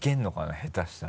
下手したら。